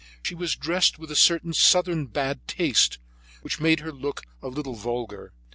She was dressed with a certain southern bad taste which made her look a little vulgar.